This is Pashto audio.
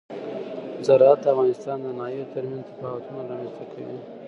زراعت د افغانستان د ناحیو ترمنځ تفاوتونه رامنځ ته کوي.